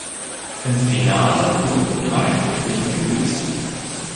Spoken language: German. Im Finale wurden drei Probleme gelöst.